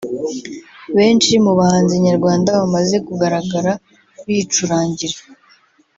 Benshi mu bahanzi nyarwanda bamaze kugaragara bicurangira